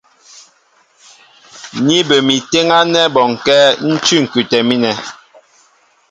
Ní bə mi téŋ ánɛ́ bɔnkɛ́ ń cʉ̂ ŋ̀kʉtɛ mínɛ.